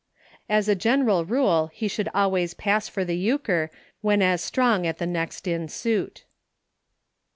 As a general rule he should always pass for a Euchre when as strong at the next in suit.